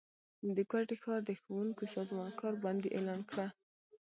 د کوټي ښار د ښونکو سازمان کار بندي اعلان کړه